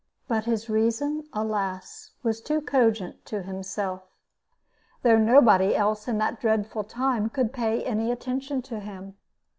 But his reason, alas! was too cogent to himself, though nobody else in that dreadful time could pay any attention to him.